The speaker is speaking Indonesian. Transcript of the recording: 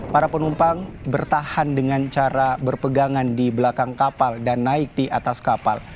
para penumpang bertahan dengan cara berpegangan di belakang kapal dan naik di atas kapal